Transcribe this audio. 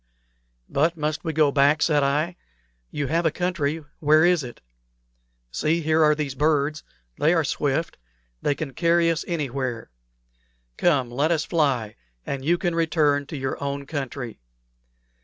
"But must we go back?" said I. "You have a country. Where is it? See, here are these birds. They are swift. They can carry us anywhere. Come, let us fly, and you can return to your own country."